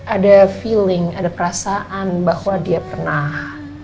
ada feeling ada perasaan bahwa dia pernah